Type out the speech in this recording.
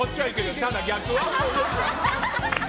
ただ、逆は。